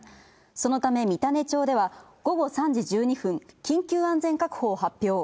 そのため三種町では、午後３時１２分、緊急安全確保を発表。